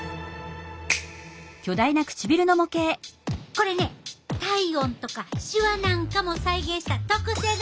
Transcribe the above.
これね体温とかしわなんかも再現した特製の唇やで。